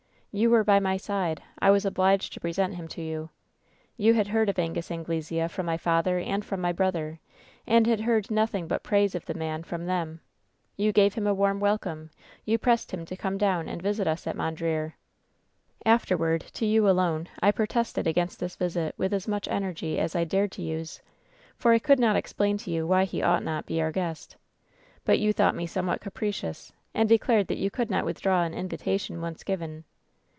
You were by my side. I was obliged to present him to you. You had heard of Angus Anglesea from my father and from my brother, and had heard nothing but praise of the man from them. You gave him a warm welcome. You pressed him to come down and visit us at Mondreer. "Afterward, to you alone I protested against this visit with as much energy as I dared to use ; for I could not explain to you why he ought not be our guest. But you thought me somewhat capricious, and declared that you could not withdraw an invitation once given.